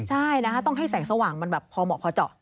ใช่ต้องให้แสงสว่างเหมาะพอเจาะ